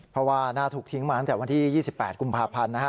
เพราะว่าน่าถูกทิ้งมาตั้งแต่วันที่๒๘กุมภาพันธ์นะฮะ